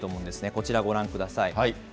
こちらご覧ください。